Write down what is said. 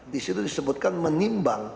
disitu disebutkan menimbang